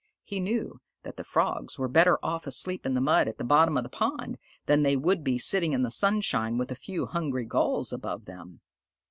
He knew that the Frogs were better off asleep in the mud at the bottom of the pond, than they would be sitting in the sunshine with a few hungry Gulls above them.